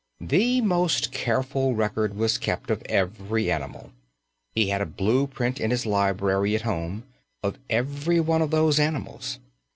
The most careful record was kept of every animal. He had a blue print in his library at home of every one of those animals.